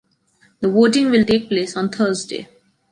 The voting will take place on Thursday.